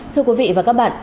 thưa quý vị và các bạn